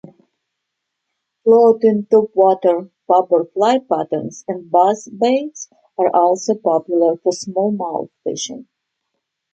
Floating topwater popper fly patterns and buzz baits are also popular for smallmouth fishing.